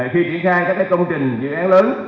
khi triển khai các công trình dự án lớn